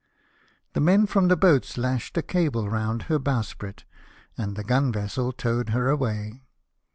The men from the boats lashed a cable round her bowsprit, and the gmi vessel towed her away.